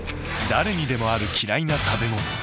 誰にでもある嫌いな食べ物。